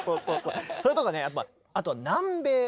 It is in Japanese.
それとかねやっぱあとは南米。